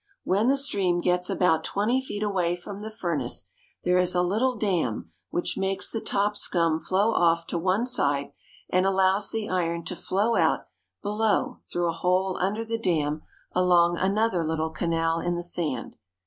When the stream gets about twenty feet away from the furnace there is a little dam, which makes the top scum flow off to one side, and allows the iron to flow out below through a hole under the dam along another little canal in the sand.